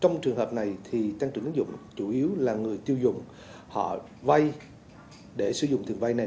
trong trường hợp này thì tăng trưởng ứng dụng chủ yếu là người tiêu dùng họ vay để sử dụng tiền vay này